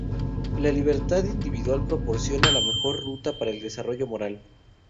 La libertad individual proporciona la mejor ruta para el desarrollo moral.